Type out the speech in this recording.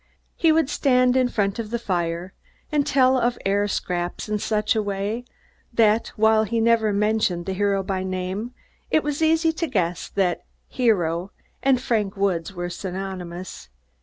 He would stand in front of the fire and tell of air scraps in such a way that, while he never mentioned the hero by name, it was easy to guess that "hero" and Frank Woods were synonymous.